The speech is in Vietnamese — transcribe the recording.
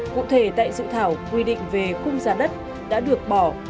cụ thể tại dự thảo quy định về khung giá đất đã được bỏ